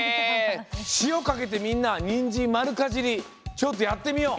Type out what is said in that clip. しおかけてみんなニンジンまるかじりちょっとやってみよう。